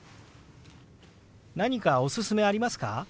何かおすすめありますか？